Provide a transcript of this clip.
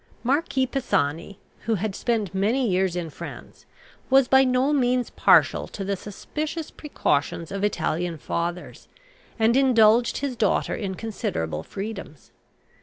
Marquis Pisani, who had spent many years in France, was by no means partial to the suspicious precautions of Italian fathers, and indulged his daughter in considerable freedoms.